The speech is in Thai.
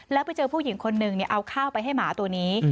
แล้วไปเจอผู้หญิงคนหนึ่งเอาข้าวไปให้หมาตัวนี้